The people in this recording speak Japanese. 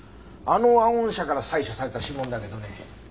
あのワゴン車から採取された指紋だけどね